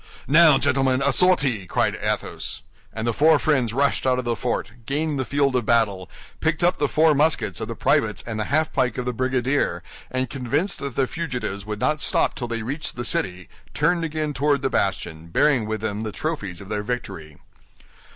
"Now, gentlemen, a sortie!" cried Athos. And the four friends rushed out of the fort, gained the field of battle, picked up the four muskets of the privates and the half pike of the brigadier, and convinced that the fugitives would not stop till they reached the city, turned again toward the bastion, bearing with them the trophies of their victory.